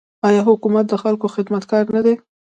آیا حکومت د خلکو خدمتګار نه دی؟